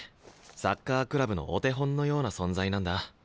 サッカークラブのお手本のような存在なんだ。